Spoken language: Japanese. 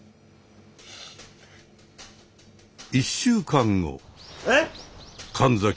１週間後。